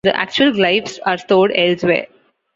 The actual glyphs are stored elsewhere.